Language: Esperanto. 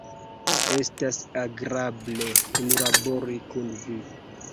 Estas agrable kunlabori kun vi.